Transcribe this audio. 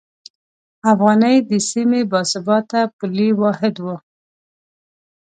افغانۍ د سیمې باثباته پولي واحد و.